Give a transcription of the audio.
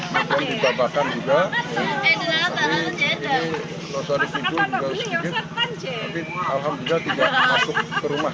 kemudian di babakan juga tapi ini losari kidul juga sedikit tapi alhamdulillah tidak masuk ke rumah